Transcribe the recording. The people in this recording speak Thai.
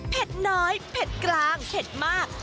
น้อยเผ็ดกลางเผ็ดมาก